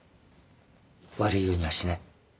悪いようにはしない